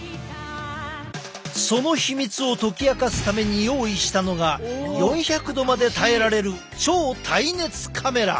その秘密を解き明かすために用意したのが４００℃まで耐えられる超耐熱カメラ！